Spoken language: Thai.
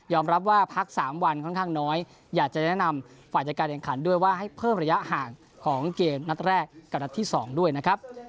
รับว่าพัก๓วันค่อนข้างน้อยอยากจะแนะนำฝ่ายจัดการแข่งขันด้วยว่าให้เพิ่มระยะห่างของเกมนัดแรกกับนัดที่๒ด้วยนะครับ